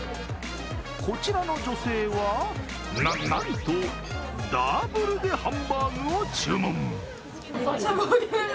こちらの女性はな、なんとダブルでハンバーグを注文。